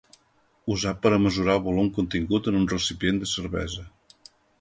Usat per a mesurar el volum contingut en un recipient de cervesa.